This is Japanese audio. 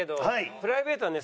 プライベートはね